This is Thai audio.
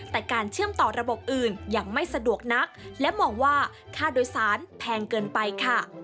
แต่การเชื่อมต่อระบบอื่นยังไม่สะดวกนักและมองว่าค่าโดยสารแพงเกินไปค่ะ